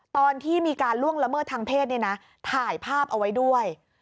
ตอนที่มีการล่วงละเมิดทางเพศเนี่ยนะถ่ายภาพเอาไว้ด้วย